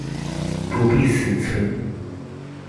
不必死存